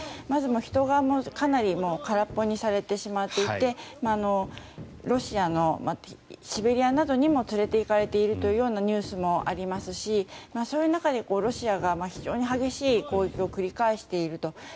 まず人がかなり空っぽにされてしまっていてロシアのシベリアなどにも連れていかれているというようなニュースもありますしそういう中でロシアが非常に激しい攻撃を繰り返していると。